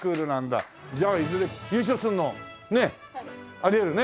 じゃあいずれ優勝するのねあり得るね。